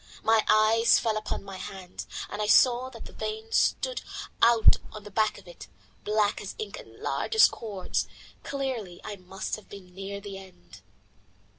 My eyes fell upon my hand, and I saw that the veins stood out on the back of it, black as ink and large as cords. Clearly I must have been near my end.